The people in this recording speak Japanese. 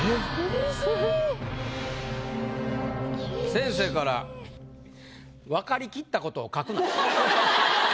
先生から「わかりきったことを書くな！」。